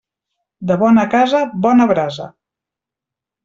De bona casa, bona brasa.